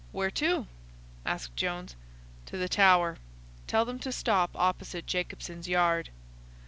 "Where to?" asked Jones. "To the Tower. Tell them to stop opposite Jacobson's Yard."